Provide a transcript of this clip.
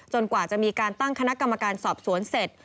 กว่าจะมีการตั้งคณะกรรมการสอบสวนเสร็จ